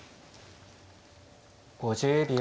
５０秒。